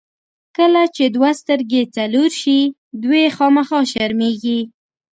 کله چې دوه سترګې څلور شي، دوې خامخا شرمېږي.